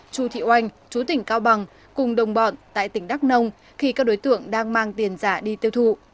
chu thị oanh chú tỉnh cao bằng cùng đồng bọn tại tỉnh đắk nông khi các đối tượng đang mang tiền giả đi tiêu thụ